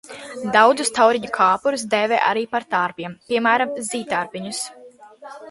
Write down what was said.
Daudzus tauriņu kāpurus dēvē arī par tārpiem, piemēram, zīdtārpiņus.